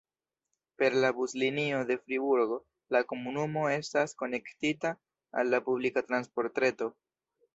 Per la buslinio de Friburgo la komunumo estas konektita al la publika transportreto.